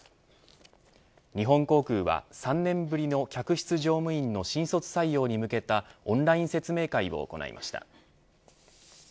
日本航空は３年ぶりの客室乗務員の新卒採用に向けたオンライン説明会を行いました。